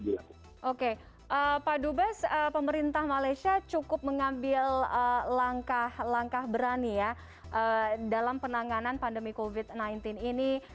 pak dubes pemerintah malaysia cukup mengambil langkah langkah berani ya dalam penanganan pandemi covid sembilan belas ini